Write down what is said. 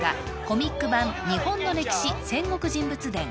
コミック版「日本の歴史戦国人物伝」